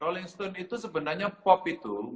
rolling stone itu sebenarnya pop itu